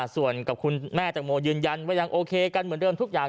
ส่วนกับคุณแม่แตงโมยืนยันว่ายังโอเคกันเหมือนเดิมทุกอย่าง